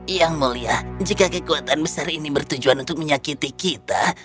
yang mulia jika kekuatan besar ini bertujuan untuk menyakiti kita